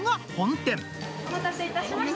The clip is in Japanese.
お待たせいたしました。